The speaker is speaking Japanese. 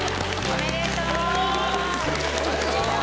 おめでとう！